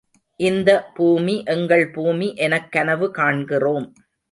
இந்த பூமி எங்கள் பூமி எனக் கனவு காண்கிறோம்.